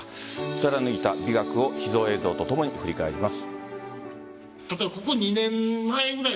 貫いた美学を秘蔵映像とともに振り返ります。